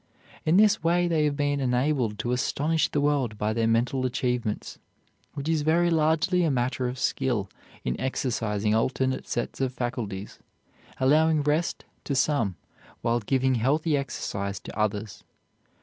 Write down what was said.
In this way they have been enabled to astonish the world by their mental achievements, which is very largely a matter of skill in exercising alternate sets of faculties, allowing rest to some while giving healthy exercise to others.